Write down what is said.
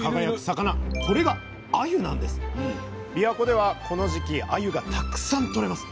びわ湖ではこの時期あゆがたくさん取れます。